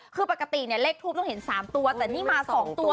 คือปกติเนี่ยเลขทูปต้องเห็น๓ตัวแต่นี่มา๒ตัว